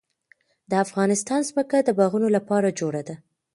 د افغانستان ځمکه د باغونو لپاره جوړه ده.